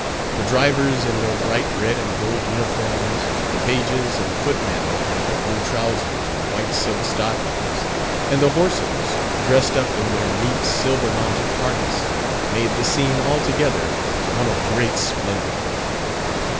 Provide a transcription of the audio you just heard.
The drivers in their bright red and gold uniforms, the pages and footmen in their blue trousers and white silk stockings, and the horses dressed up in their neat, silver mounted harness, made the scene altogether one of great splendour.